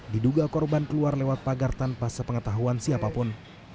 diduga korban keluar lewat pagar tanpa sepengetahuan siapapun